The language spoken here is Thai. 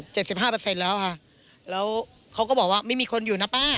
สิบห้าเปอร์เซ็นต์แล้วค่ะแล้วเขาก็บอกว่าไม่มีคนอยู่นะป้า